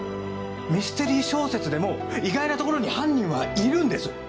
ミステリー小説でも意外なところに犯人はいるんです。